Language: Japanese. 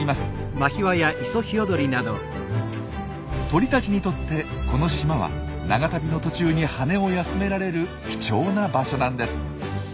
鳥たちにとってこの島は長旅の途中に羽を休められる貴重な場所なんです。